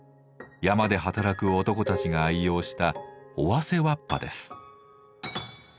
山で働く男たちが愛用した尾鷲わっぱです。